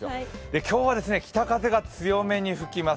今日は北風が強めに吹きます。